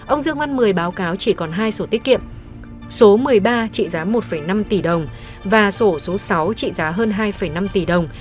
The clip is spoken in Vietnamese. ông dương văn mười báo cáo chỉ còn hai sổ tiết kiệm số một mươi ba trị giá một năm tỷ đồng và sổ số sáu trị giá hơn hai năm tỷ đồng